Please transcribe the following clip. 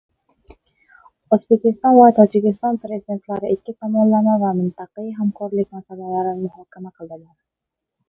O‘zbekiston va Tojikiston Prezidentlari ikki tomonlama va mintaqaviy hamkorlik masalalarini muhokama qildilar